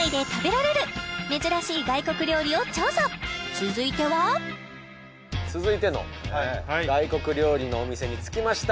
続いては続いての外国料理のお店に着きました